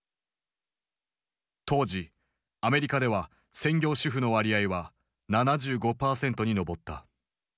当時アメリカでは専業主婦の割合は７５％に上った。